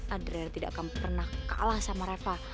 adrel tidak akan pernah kalah sama reva